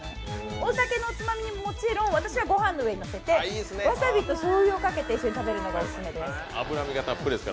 お酒のつまみにもちろん、私は御飯の上に乗せてわさびとしょうゆを一緒にかけて食べるのがおすすめです。